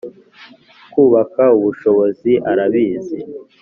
kubaka ubushobozi, arabizi